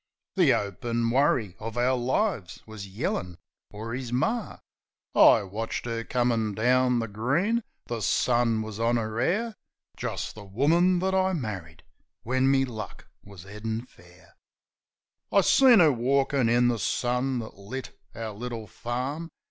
The 'ope an' worry uv our lives wus yellin' fer 'is Mar. I watched 'er comin' down the green; the sun wus on 'er 'air Jist the woman that I marri'd, when me luck wus 'eadin' fair. I seen 'er walkin' in the sun that lit our little farm.